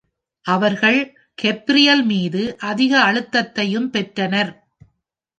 அவர்கள் கேப்ரியல் மீது அதிக அழுத்தத்தையும் பெற்றனர்.